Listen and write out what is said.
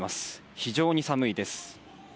非常に寒いです。